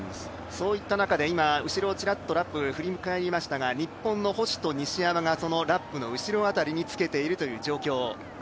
そういった中で今、後ろをちらっとラップ振り返りましたが、日本の星と西山がそのラップの後ろ辺りにつけている状況。